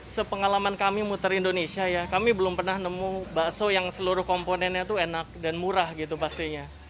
sepengalaman kami muter indonesia ya kami belum pernah nemu bakso yang seluruh komponennya itu enak dan murah gitu pastinya